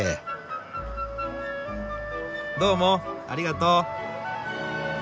どうもありがとう。